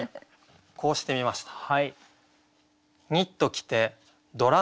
こうしてみました。